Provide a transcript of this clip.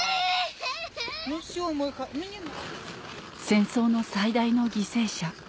戦争の最大の犠牲者